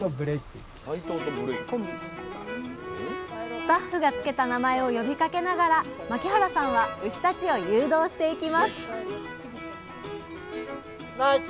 スタッフが付けた名前を呼びかけながら牧原さんは牛たちを誘導していきますナイキ。